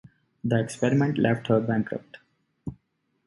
The experiment left her bankrupt.